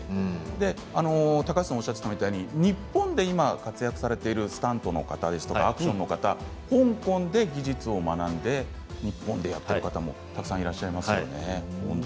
高橋さんがおっしゃったみたいに、日本で活躍されているスタントマンとかアクションの方は香港で技術を学んで日本でやっている方もたくさんいらっしゃいます。